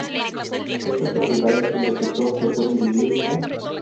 Estas propiedades del detector se pueden dividir en